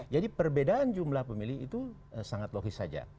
jadi perbedaan jumlah pemilih itu sangat logis saja